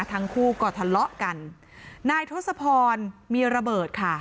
ทั้งคู่ก็ทะเลาะกันนายทศพรมีระเบิดค่ะ